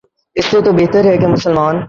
اس سے تو بہتر ہے کہ مسلمان